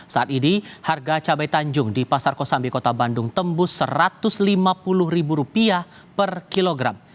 saat ini harga cabai tanjung di pasar kosambi kota bandung tembus rp satu ratus lima puluh per kilogram